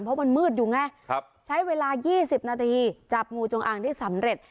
เพราะมันมืดอยู่ไงใช้เวลา๒๐นาทีจับงูจงอางได้สำเร็จ